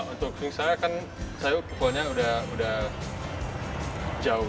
untuk saya kan saya kukulnya udah jauh